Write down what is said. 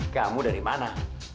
kamu dari mana